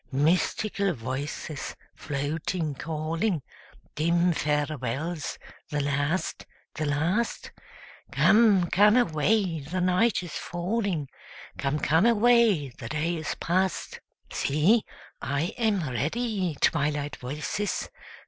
Mystical voices, floating, calling; Dim farewells the last, the last? Come, come away, the night is falling; 'Come, come away, the day is past.' See, I am ready, Twilight voices!